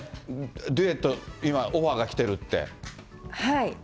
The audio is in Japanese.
デュエット、今、オファーが来てるって。